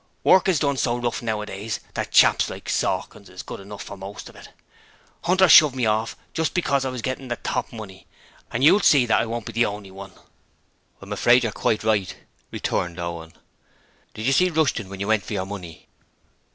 Work is done so rough nowadays that chaps like Sawkins is good enough for most of it. Hunter shoved me off just because I was getting the top money, and you'll see I won't be the only one.' 'I'm afraid you're right,' returned Owen. 'Did you see Rushton when you went for your money?'